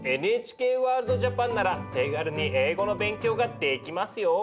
ＮＨＫワールドＪＡＰＡＮなら手軽に英語の勉強ができますよ。